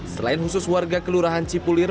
selain khusus warga kelurahan cipulir